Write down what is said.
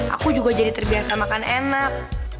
aku juga jadi terbiasa makan enak